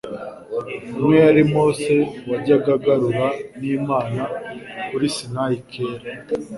Umwe yari Mose wajyaga agarura n'Imana kuri Sinai kera;